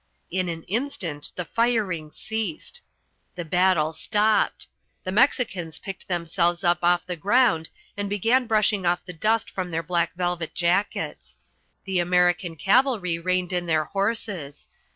In an instant the firing ceased. The battle stopped. The Mexicans picked themselves up off the ground and began brushing off the dust from their black velvet jackets. The American cavalry reined in their horses.